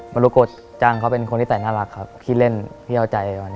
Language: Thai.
มารุโกะจังเขาเป็นคนที่แต่น่ารักคี่เล่นคี่เอาใจ